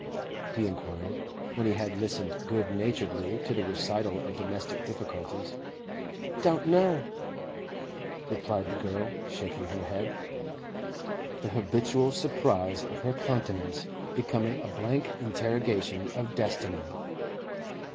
he inquired, when he had listened good naturedly to the recital of domestic difficulties. 'Don't know,' replied the girl, shaking her head, the habitual surprise of her countenance becoming a blank interrogation of destiny.